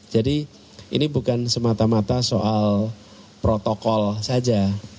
jadi ini bukan semata mata soal protokol saja